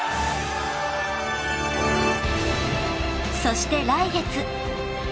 ［そして来月］